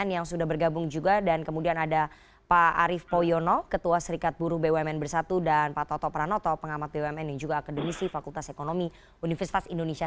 yang juga akademisi fakultas ekonomi universitas indonesia